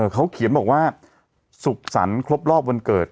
เขาเขียนบอกว่าสุขสรรค์ครบรอบวันเกิด